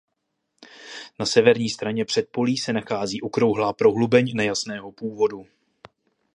Na severní straně předpolí se nachází okrouhlá prohlubeň nejasného původu.